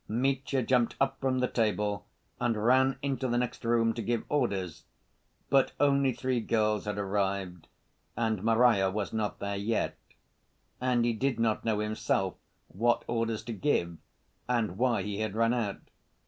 Mitya jumped up from the table and ran into the next room to give orders, but only three girls had arrived, and Marya was not there yet. And he did not know himself what orders to give and why he had run out.